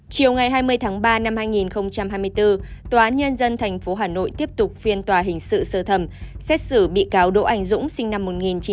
chiều ngày hai mươi tháng ba năm hai nghìn hai mươi bốn tòa án nhân dân tp hà nội tiếp tục phiên tòa hình sự sơ thẩm xét xử bị cáo đỗ anh dũng sinh năm một nghìn chín trăm tám mươi hai